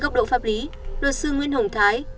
tốc độ pháp lý luật sư nguyễn hồng thái